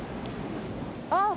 あっ！